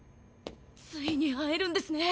ついに会えるんですね